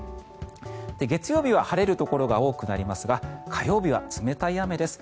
月曜日は晴れるところが多くなりますが火曜日は冷たい雨です。